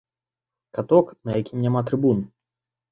Каток, на якім няма трыбун.